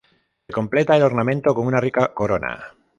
Se completa el ornamento con una rica corona.